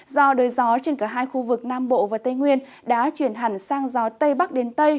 do đời gió trên cả hai khu vực nam bộ và tây nguyên đã chuyển hẳn sang gió tây bắc đến tây